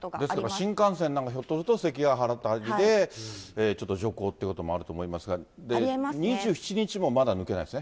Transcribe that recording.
新幹線なんかひょっとすると関ヶ原辺りでちょっと徐行ということもありますか、２７日もまだ抜けないですね。